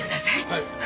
はい。